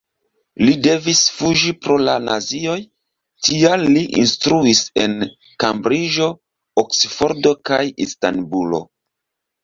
Li devis fuĝi pro la nazioj, tial li instruis en Kembriĝo, Oksfordo kaj Istanbulo.